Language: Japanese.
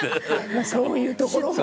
「まあそういうところも」